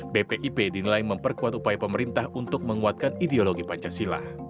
bpip dinilai memperkuat upaya pemerintah untuk menguatkan ideologi pancasila